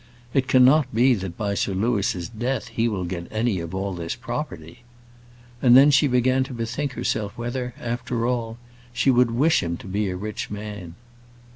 "It cannot be that by Sir Louis's death he will get any of all this property;" and then she began to bethink herself whether, after all, she would wish him to be a rich man.